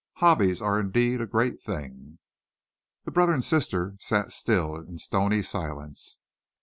Hobbies are indeed a great thing." The brother and sister sat still in stony silence.